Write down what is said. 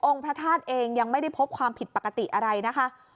พระธาตุเองยังไม่ได้พบความผิดปกติอะไรนะคะ